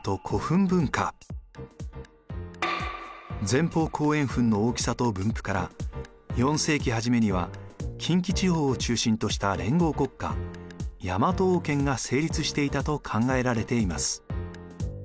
前方後円墳の大きさと分布から４世紀初めには近畿地方を中心とした連合国家・大和王権が成立していたと考えられています。